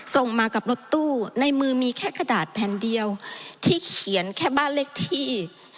ส่งมากับรถตู้ในมือมีแค่กระดาษแผ่นเดียวที่เขียนแค่บ้านเลขที่